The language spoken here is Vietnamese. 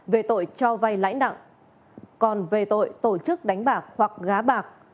về tội cho vay lãnh đặng còn về tội tổ chức đánh bạc hoặc gá bạc